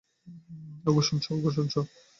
ওগো, শুনছো।